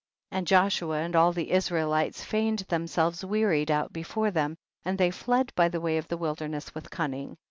42. And Joshua and all the Israel ites feigned themselves wearied out before them, and they fled by the way of the wilderness with cunning.